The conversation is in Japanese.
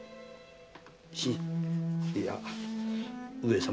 新いや上様。